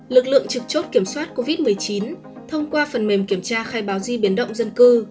lực lượng trực chốt kiểm soát covid một mươi chín thông qua phần mềm kiểm tra khai báo di biến động dân cư